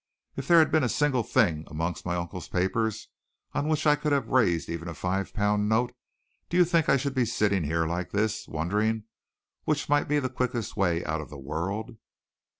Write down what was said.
If there had been a single thing amongst my uncle's papers on which I could have raised even a five pound note, do you think that I should be sitting here like this, wondering which might be the quickest way out of the world?"